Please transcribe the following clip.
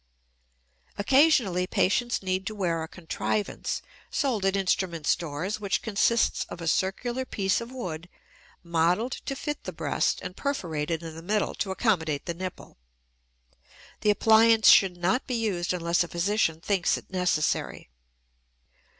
Occasionally patients need to wear a contrivance sold at instrument stores which consists of a circular piece of wood modeled to fit the breast and perforated in the middle to accommodate the nipple. The appliance should not be used unless a physician thinks it necessary.